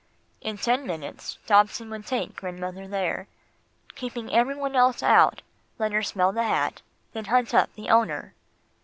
In ten minutes, Dobson would take grandmother there, keeping every one else out, let her smell the hat, then hunt up the owner."